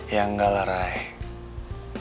ya enggak lah raya